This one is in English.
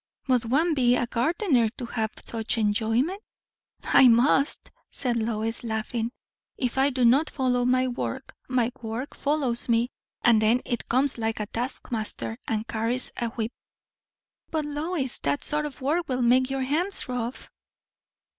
"Must one be a gardener, to have such enjoyment?" "I must," said Lois, laughing. "If I do not follow my work, my work follows me; and then it comes like a taskmaster, and carries a whip." "But, Lois! that sort of work will make your hands rough."